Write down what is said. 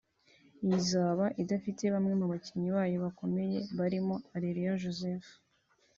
iyi izaba idafite bamwe mu bakinnyi bayo bakomeye barimo Areruya Joseph